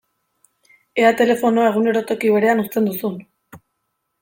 Ea telefonoa egunero toki berean uzten duzun!